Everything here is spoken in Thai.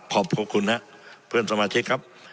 ขอบคุณครับเพื่อนสมาชิกครับ